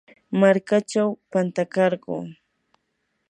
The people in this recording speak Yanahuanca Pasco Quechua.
markachaw pantakarquu.